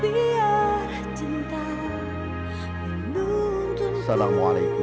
walau hilang percayaku